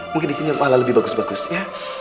mungkin disini pahala lebih bagus bagus ya